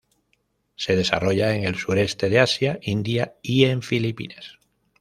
Se desarrolla en el sureste de Asia, India y en Filipinas.